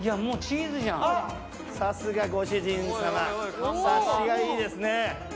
さすがご主人様察しがいいですね。